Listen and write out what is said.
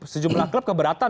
sejumlah klub keberatan